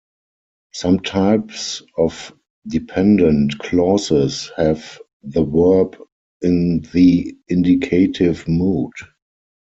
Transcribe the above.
Some types of dependent clauses have the verb in the indicative mood.